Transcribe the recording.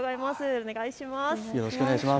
お願いします。